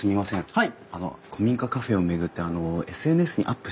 はい。